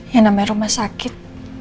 yang namanya rumah sakit